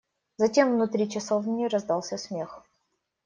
Затем внутри часовни раздался смех.